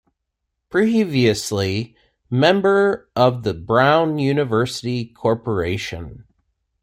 Previously member of the Brown University Corporation.